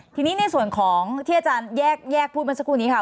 ทีนี้ในส่วนของที่อาจารย์แยกพูดมาสักครู่นี้ค่ะ